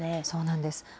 そうなんです。